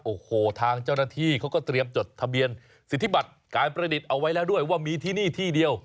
โอ้โหทางเจ้าหน้าที่เขาก็เตรียมจดทะเบียนสิทธิบัตรการประดิษฐ์เอาไว้แล้วด้วยว่ามีที่นี่ที่เดียว